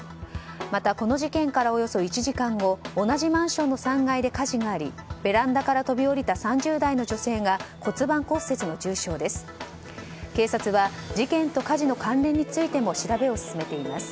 またこの事件からおよそ１時間後同じマンションの３階で火事がありベランダから飛び降りた３０代の女性が骨盤骨折の重傷です。